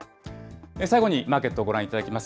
最後にマーケットをご覧いただきます。